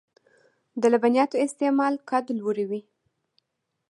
د لبنیاتو استعمال قد لوړوي .